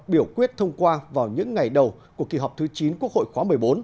biểu quyết thông qua vào những ngày đầu của kỳ họp thứ chín quốc hội khóa một mươi bốn